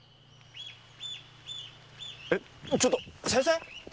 えっちょっと先生？